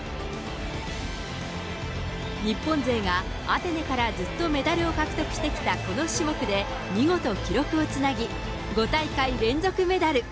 日本勢がアテネからずっとメダルを獲得してきたこの種目で、見事記録をつなぎ、５大会連続メダル。